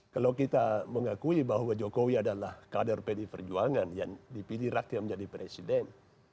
kalau kita mengakui bahwa jokowi adalah kader pdi perjuangan yang dipilih rakyat menjadi presiden